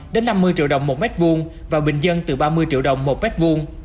đến năm mươi triệu đồng một mét vuông và bình dân từ ba mươi triệu đồng một mét vuông